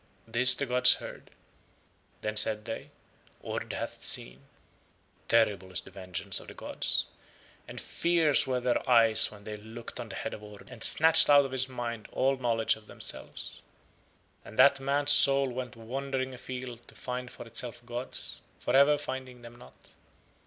This the gods heard. Then said They, "Ord hath seen." Terrible is the vengeance of the gods, and fierce were Their eyes when They looked on the head of Ord and snatched out of his mind all knowledge of Themselves. And that man's soul went wandering afield to find for itself gods, for ever finding them not.